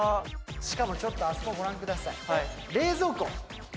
しかもちょっとあそこご覧ください